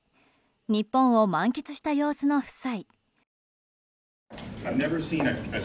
日本を満喫した様子の夫妻。